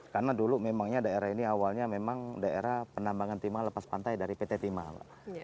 karena dulu memangnya daerah ini awalnya memang daerah penambangan timah lepas pantai dari pt timah